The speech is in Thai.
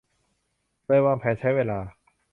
เลยวางแผนใช้เวลา